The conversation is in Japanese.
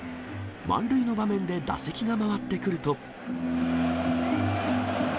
満塁の場面で打席が回ってくると。